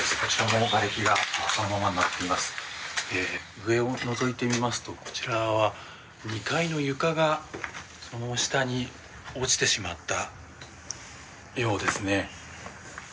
上をのぞいてみますとこちらは２階の床がそのまま下に落ちてしまったようですね。